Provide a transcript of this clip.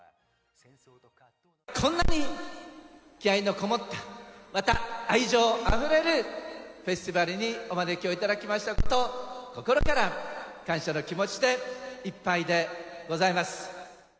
こんなに気合いのこもった、また愛情あふれるフェスティバルにお招きを頂きましたことを、心から感謝の気持ちでいっぱいでございます。